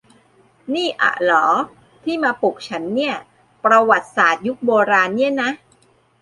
นี่อ่ะหรอที่มาปลุกฉันเนี่ย ประวัติศาสตร์ยุคโบราณเนี่ยนะ